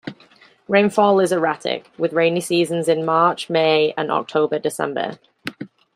Rainfall is erratic, with rainy seasons in March-May and October-December.